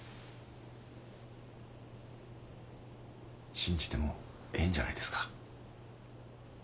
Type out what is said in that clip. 信じてもええんじゃないですか。